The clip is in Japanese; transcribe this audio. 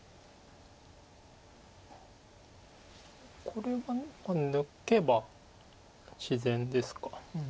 これが抜けば自然ですか。